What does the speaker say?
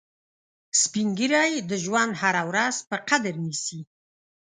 سپین ږیری د ژوند هره ورځ په قدر نیسي